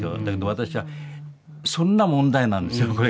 だけど私はそんな問題なんですよ